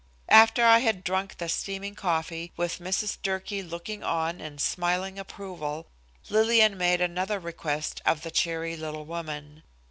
After I had drunk the steaming coffee, with Mrs. Durkee looking on in smiling approval, Lillian made another request of the cheery little woman.